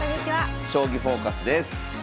「将棋フォーカス」です。